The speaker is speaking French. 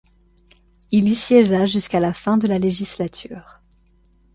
Il y siégea jusqu'à la fin de la législature.